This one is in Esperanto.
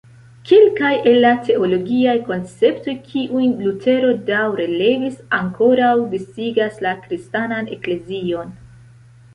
Kelkaj el la teologiaj konceptoj kiujn Lutero daŭre levis ankoraŭ disigas la Kristanan Eklezion.